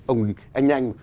ông anh anh